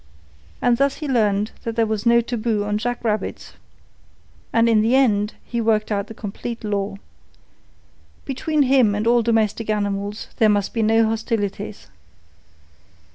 And thus he learned that there was no taboo on jackrabbits. In the end he worked out the complete law. Between him and all domestic animals there must be no hostilities.